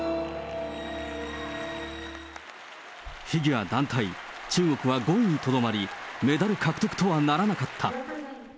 フィギュア団体、中国は５位にとどまり、メダル獲得とはならなかった。